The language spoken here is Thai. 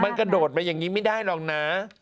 มันกระโดดมาอย่างนี้ไม่ได้หรอกนะ